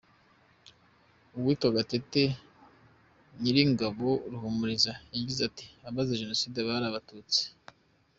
Uwitwa Gatete Nyiringabo Ruhumuliza, yagize ati “Abazize Jenoside bari Abatutsi.